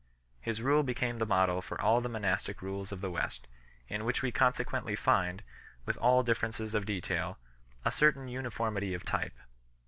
His Rule became the model for all the monastic Rules of the West, in which we consequently find, with all differences of detail, a certain uniformity of type.